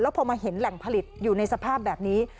พอมาเห็นแหล่งผลิตอยู่ในสภาพแบบนี้